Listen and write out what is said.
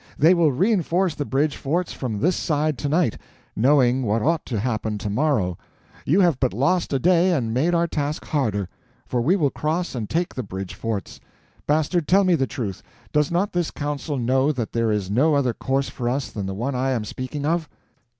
They will reinforce the bridge forts from this side to night, knowing what ought to happen to morrow. You have but lost a day and made our task harder, for we will cross and take the bridge forts. Bastard, tell me the truth—does not this council know that there is no other course for us than the one I am speaking of?"